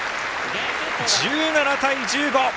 １７対１５！